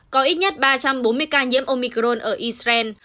có ít nhất ba trăm bốn mươi ca nhiễm omicron ở israel